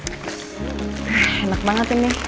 eh enak banget ini